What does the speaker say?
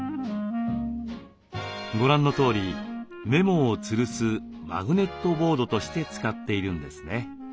ご覧のとおりメモをつるすマグネットボードとして使っているんですね。